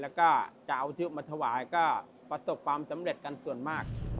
แล้วก็จะเอาทึบมาถวายก็ประสบความสำเร็จกันส่วนมาก